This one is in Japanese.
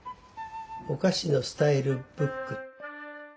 「お菓子のスタイルブック」。